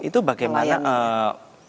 itu bagaimana pemain pemainnya semuanya top semua